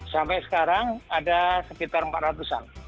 sampai sekarang ada sekitar empat ratus an